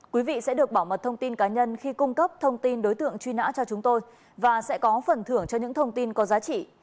quý vị sẽ được bảo mật thông tin cá nhân khi cung cấp thông tin đối tượng truy nã cho chúng tôi và sẽ có phần thưởng cho những thông tin có giá trị